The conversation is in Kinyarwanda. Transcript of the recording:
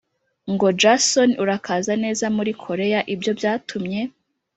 ngo Jason urakaza neza muri Koreya Ibyo byatumye